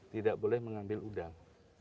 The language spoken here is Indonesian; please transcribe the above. tidak boleh mengambil udang